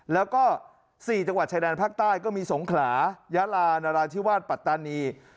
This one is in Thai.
แล้วก็๔จังหวัดชายแดนภาคใต้ก็มีสงขลายลานราธิวาสปัตตานี